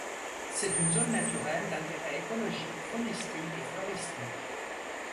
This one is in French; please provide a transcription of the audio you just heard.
C'est une zone naturelle d'intérêt écologique, faunistique et floristique.